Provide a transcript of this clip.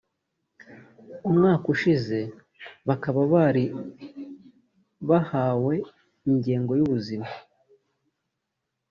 umwaka ushize bakaba bari bahawe ingingo y’ubuzima